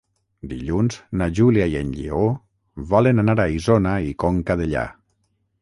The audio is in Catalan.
Dilluns na Júlia i en Lleó volen anar a Isona i Conca Dellà.